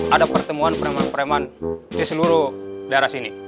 ada pertemuan preman preman di seluruh daerah sini